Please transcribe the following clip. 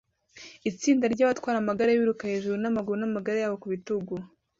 Itsinda ry'abatwara amagare biruka hejuru n'amaguru n'amagare yabo ku bitugu